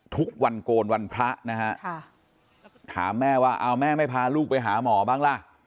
ทุกวันโกนวันพระนะฮะถามแม่ว่าเอาแม่ไม่พาลูกไปหาหมอบ้างล่ะ